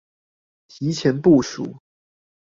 提前部署